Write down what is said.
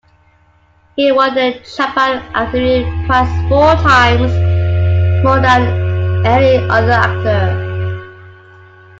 He won the Japan Academy Prize four times, more than any other actor.